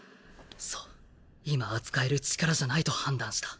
そう今は使える力じゃないと判断した。